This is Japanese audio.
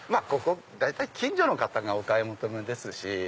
近所の方がお買い求めですし。